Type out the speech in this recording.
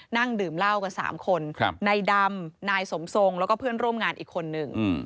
นั่งดื่มเหล้ากัน๓คนนายดำนายสมทรงแล้วก็เพื่อนร่วมงานอีกคนนึง